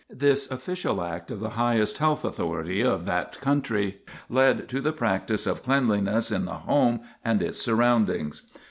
This official act of the highest health authority of that country led to the practice of cleanliness in the home and its surroundings.